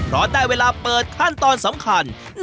เพราะได้เวลาเปิดขั้นตอนสำคัญ